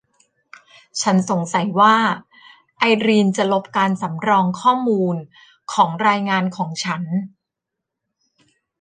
ฉันสงสัยว่าไอรีนจะลบการสำรองข้อมูลของรายงานของฉัน